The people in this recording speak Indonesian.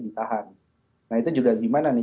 ditahan nah itu juga gimana nih